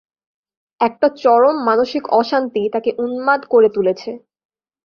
একটা চরম মানসিক অশান্তি তাকে উন্মাদ করে তুলেছে।